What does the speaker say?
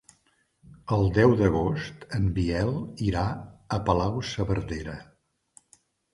El deu d'agost en Biel irà a Palau-saverdera.